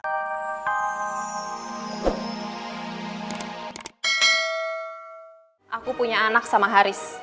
aku punya anak sama haris